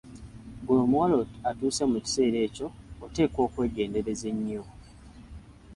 Ggwe omuwala atuuse mu kiseera ekyo oteekwa okwegendereza ennyo.